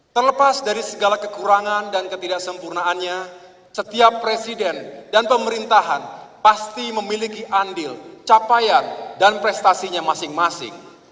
terlepas dari segala kekurangan dan ketidaksempurnaannya setiap presiden dan pemerintahan pasti memiliki andil capaian dan prestasinya masing masing